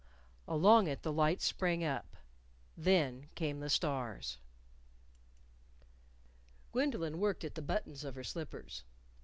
Along it the lights sprang up. Then came the stars. Gwendolyn worked at the buttons of her slippers.